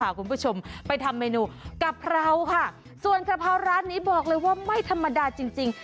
คุณผู้ชมไปทำเมนูกะเพราค่ะส่วนกะเพราร้านนี้บอกเลยว่าไม่ธรรมดาจริงจริง